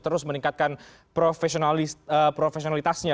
terus meningkatkan profesionalitasnya